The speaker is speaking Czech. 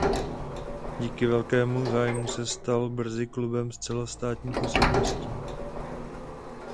Díky velkému zájmu se stal brzy klubem s celostátní působností.